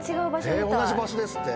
同じ場所ですって。